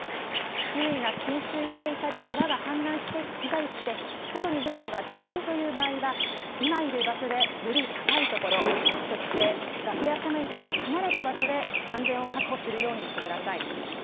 周囲が浸水していたり、川が氾濫していたりして、外に出るのが危険という場合は、今いる場所でより高い所、そして崖や斜面から離れた場所で安全を確保するようにしてください。